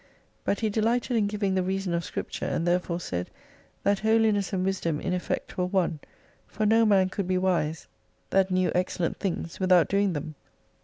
But he delighted in giving the reason of scripture, and therefore said, That holiness and wisdom in effect were one : for no man could be wise that knew excellent things 260 without doing them.